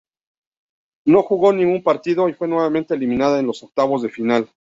No jugó ningún partido, y fue nuevamente eliminada en los octavos de final.